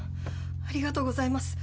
ありがとうございます。